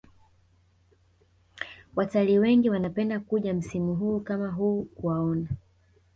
Watalii wengi wanapenda kuja msimu kama huu kuwaona